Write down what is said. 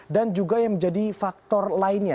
dan juga yang menjadi faktor lainnya